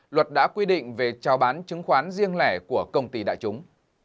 luật đã quy định về trao bán chứng khoán riêng lẻ của công ty đại chúng